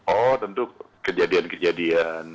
oh tentu kejadian kejadian